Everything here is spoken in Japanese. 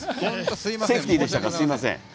すみません。